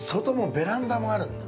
ベランダもあるんだ。